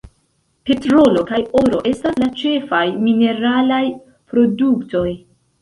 Petrolo kaj oro estas la ĉefaj mineralaj produktoj.